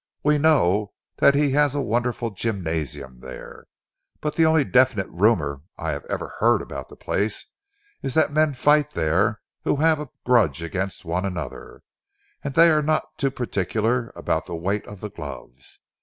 We know that he has a wonderful gymnasium there, but the only definite rumour I have ever heard about the place is that men fight there who have a grudge against one another, and that they are not too particular about the weight of the gloves.